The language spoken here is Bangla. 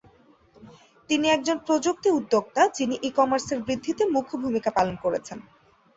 তিনি একজন প্রযুক্তি উদ্যোক্তা যিনি ই-কমার্সের বৃদ্ধিতে মুখ্য ভূমিকা পালন করেছেন।